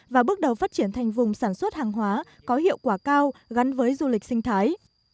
và bước đầu phát triển thành vùng sản xuất hàng hóa có hiệu quả cao gắn với du lịch sinh thái